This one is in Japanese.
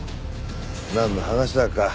なんの話だか。